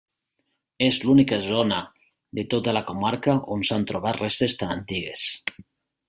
És l'única zona de tota la comarca on s'han trobat restes tan antigues.